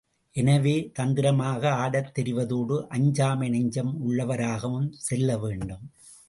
எனவே, தந்திரமாக ஆடத் தெரிவதோடு, அஞ்சாமை நெஞ்சம் உள்ளவராகவும் செல்ல வேண்டும்.